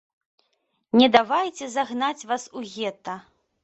Не давайце загнаць вас у гета.